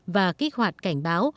và kích hoạt cảnh báo